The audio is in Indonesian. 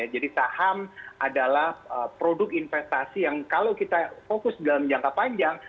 jadi saham adalah produk investasi yang kalau kita fokus dalam jangka panjang